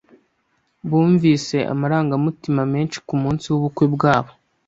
Bumvise amarangamutima menshi kumunsi wubukwe bwabo.